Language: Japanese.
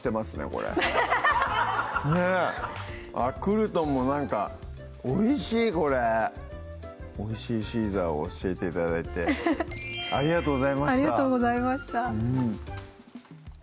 これクルトンもなんかおいしいこれおいしいシーザーを教えて頂いてありがとうございましたありがとうございました